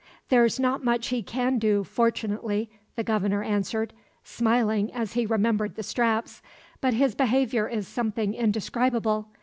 "There's not much he can do, fortunately," the Governor answered, smiling as he remembered the straps. "But his behaviour is something indescribable.